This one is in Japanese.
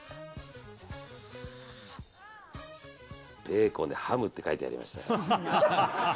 ベーコンでハムって書いてやりましたよ。